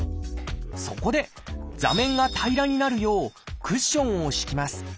そこで座面が平らになるようクッションを敷きます。